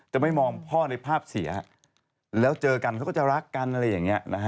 จะไม่มองพ่อในภาพเสียแล้วเจอกันเขาก็จะรักกันอะไรอย่างนี้นะฮะ